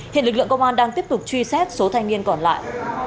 hiện lực lượng công an đang tiếp tục truy xét số thanh niên còn lại